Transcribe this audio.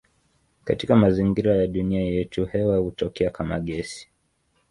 Katika mazingira ya dunia yetu hewa hutokea kama gesi.